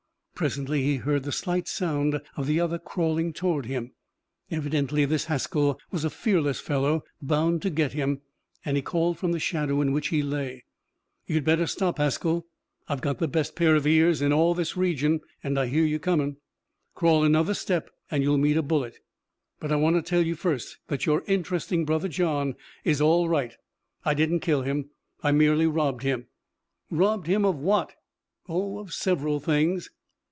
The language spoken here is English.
Presently he heard the slight sound of the other crawling toward him. Evidently this Haskell was a fearless fellow, bound to get him, and he called from the shadow in which he lay. "You'd better stop, Haskell! I've got the best pair of ears in all this region, and I hear you coming! Crawl another step and you meet a bullet! But I want to tell you first that your interesting brother John is all right. I didn't kill him. I merely robbed him." "Robbed him of what?" "Oh, of several things."